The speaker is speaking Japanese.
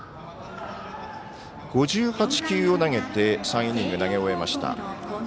５８球を投げて３イニング投げ終えました。